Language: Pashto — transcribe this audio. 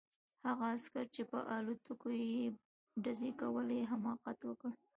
هغه عسکر چې په الوتکو یې ډزې کولې حماقت وکړ